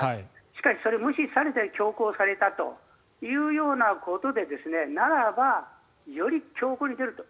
しかし、それを無理して強行されたということでならば、より強硬に出ると。